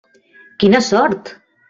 Quina sort!